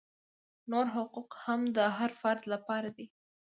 نور حقوق هم د هر فرد لپاره دي.